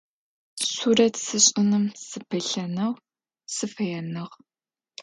Сурэт сышӏыным сыпылъынэу сыфэеныгъ.